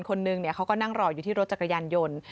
คนนึงเขาก็นั่งรออยู่ที่รถจักรยานยนต์